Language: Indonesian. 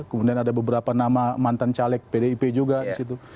kemudian ada beberapa nama mantan caleg pdip juga disitu